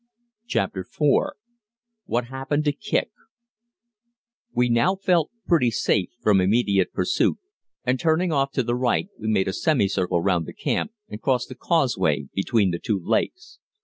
CHAPTER IV WHAT HAPPENED TO KICQ We now felt pretty safe from immediate pursuit, and turning off to the right we made a semicircle round the camp and crossed the causeway between the two lakes.